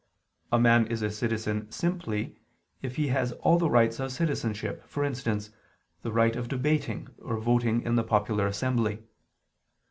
A man is a citizen simply if he has all the rights of citizenship, for instance, the right of debating or voting in the popular assembly.